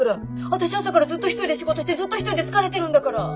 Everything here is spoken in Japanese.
私朝からずっと一人で仕事してずっと一人で疲れてるんだから。